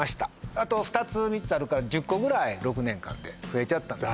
あと２つ３つあるから１０個ぐらい６年間で増えちゃったんです